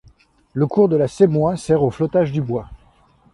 Le cours de la Semoy sert au flottage du bois.